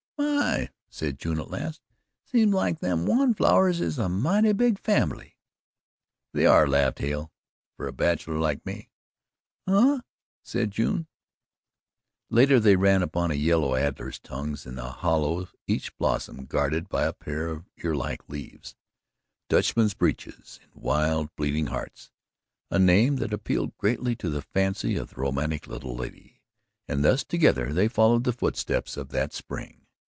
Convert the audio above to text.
"My!" said June at last, "seems like them wan flowers is a mighty big fambly." "They are," laughed Hale, "for a bachelor like me." "Huh!" said June. Later, they ran upon yellow adder's tongues in a hollow, each blossom guarded by a pair of ear like leaves, Dutchman's breeches and wild bleeding hearts a name that appealed greatly to the fancy of the romantic little lady, and thus together they followed the footsteps of that spring.